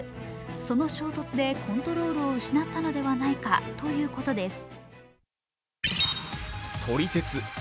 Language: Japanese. その衝突でコントロールを失ったのではないかということです。